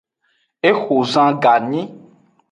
Exo zan ganyi.